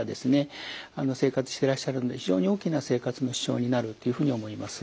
生活してらっしゃるので非常に大きな生活の支障になるというふうに思います。